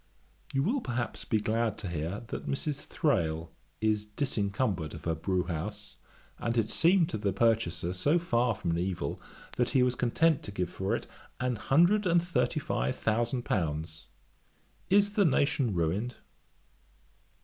'You will, perhaps, be glad to hear, that Mrs. Thrale is disencumbered of her brewhouse; and that it seemed to the purchaser so far from an evil, that he was content to give for it an hundred and thirty five thousand pounds. Is the nation ruined?